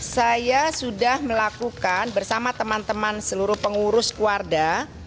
saya sudah melakukan bersama teman teman seluruh pengurus kuarda